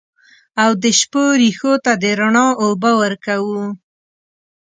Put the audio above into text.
او د شپو رېښو ته د رڼا اوبه ورکوو